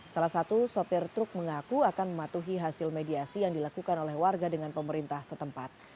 salah satu sopir truk mengaku akan mematuhi hasil mediasi yang dilakukan oleh warga dengan pemerintah setempat